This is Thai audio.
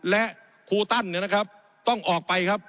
และครูตั้นต้องออกไปครับ